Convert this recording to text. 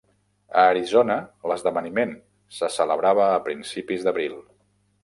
A Arizona, l'esdeveniment se celebrava a principis d'abril.